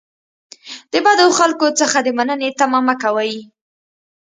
د بدو خلکو څخه د مننې تمه مه کوئ.